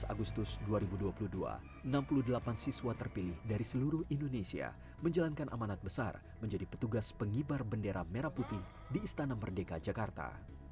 tujuh belas agustus dua ribu dua puluh dua enam puluh delapan siswa terpilih dari seluruh indonesia menjalankan amanat besar menjadi petugas pengibar bendera merah putih di istana merdeka jakarta